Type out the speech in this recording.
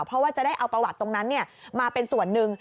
เพราะว่าจะได้เอาประวัติตรงนั้นมาเป็นส่วนหนึ่ง